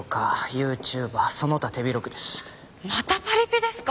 またパリピですか！